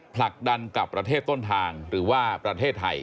ผลักดันกับประเทศต้นทางหรือว่าประเทศไทย